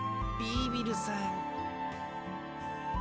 ビービルさん。